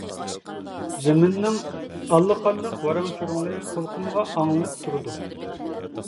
زېمىننىڭ ئاللىقانداق ۋاراڭ-چۇرۇڭلىرى قۇلىقىمغا ئاڭلىنىپ تۇرىدۇ.